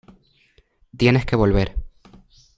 Tienes que volver.